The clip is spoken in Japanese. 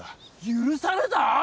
許された！？